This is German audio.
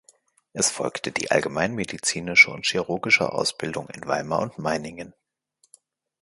Es folgte die allgemeinmedizinische und chirurgische Ausbildung in Weimar und Meiningen.